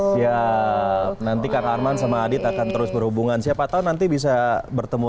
siap nanti kang arman sama adit akan terus berhubungan siapa tahu nanti bisa bertemu